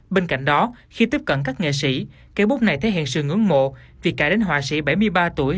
bên cạnh đó khi tiếp cận các nghệ sĩ cái bút này thể hiện sự ngưỡng mộ vì cải đến họa sĩ bảy mươi ba tuổi